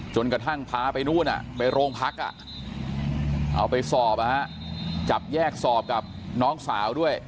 กระทั่งพาไปนู่นไปโรงพักเอาไปสอบจับแยกสอบกับน้องสาวด้วย